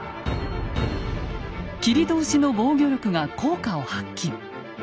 切通の防御力が効果を発揮。